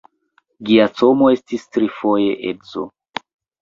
Giacomo estis trifoje edzo.